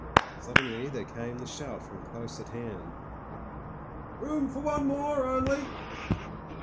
Suddenly there came the shout from close at hand, "Room for one more only."